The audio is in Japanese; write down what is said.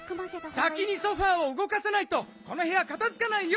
先にソファーをうごかさないとこのへやかたづかないよ！